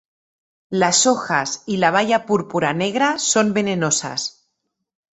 Las hojas y la baya púrpura-negra son venenosas.